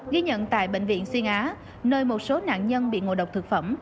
ghi nhận tại bệnh viện xuyên á nơi một số nạn nhân bị ngộ độc thực phẩm